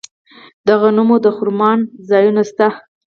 د غنمو د خرمن ځایونه شته.